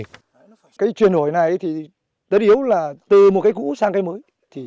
ngoại truyền đổi này thì tất yếu là từ một cây cũ sang cây mới